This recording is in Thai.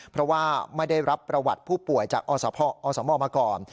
เพราะว่าไม่ได้รับประวัติผู้ป่วยจากอสมมาก่อน